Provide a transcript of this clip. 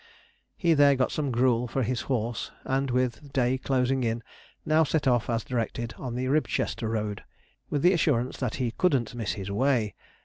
He there got some gruel for his horse, and, with day closing in, now set off, as directed, on the Ribchester road, with the assurance that he 'couldn't miss his way.'